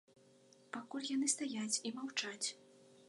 Пакуль яны стаяць і маўчаць.